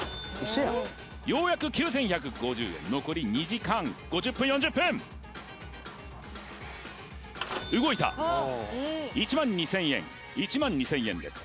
ようやく９１５０円残り２時間５０分４０分動いた１万２０００円１万２０００円です